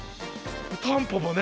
「タンポポ」ね。